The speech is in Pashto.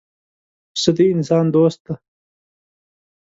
پسه د انسان دوست دی.